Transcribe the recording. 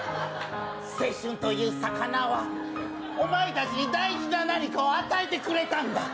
青春という魚は、お前たちに大事な何かを与えてくれたんだ。